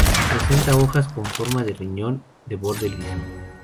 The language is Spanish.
Presenta hojas con forma de riñón, de borde liso.